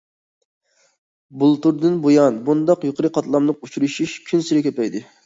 بۇلتۇردىن بۇيان، بۇنداق يۇقىرى قاتلاملىق ئۇچرىشىش كۈنسېرى كۆپەيدى.